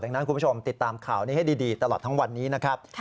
ดังนั้นคุณผู้ชมติดตามข่าวนี้ให้ดีตลอดทั้งวันนี้นะครับ